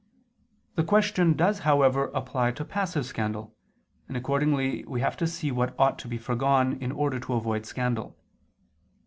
The question does, however, apply to passive scandal, and accordingly we have to see what ought to be foregone in order to avoid scandal.